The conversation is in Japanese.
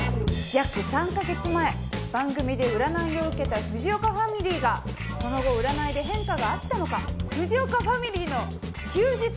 約３カ月前番組で占いを受けた藤岡ファミリーがその後占いで変化があったのか藤岡ファミリーの休日に密着させていただきました！